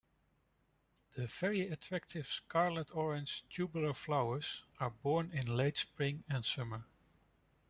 The very attractive scarlet-orange tubular flowers are borne in late spring and summer.